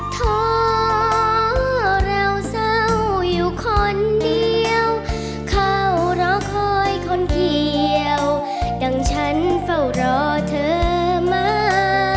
ท้อเราเศร้าอยู่คนเดียวเข้ารอคอยคนเกี่ยวดังฉันเฝ้ารอเธอมา